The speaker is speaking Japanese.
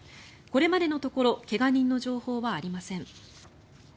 これまでのところ怪我人の情報はありません。